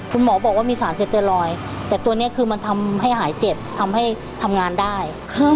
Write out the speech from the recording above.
คุณหมอบอกว่ามีสารเซลอยแต่ตัวนี้คือมันทำให้หายเจ็บทำให้ทำงานได้